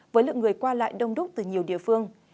với lượng người qua lại đông đúc từ nhiều địa phương